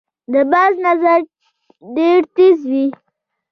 د باز نظر ډیر تېز وي